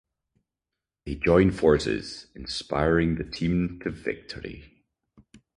They join forces, inspiring the team to victory.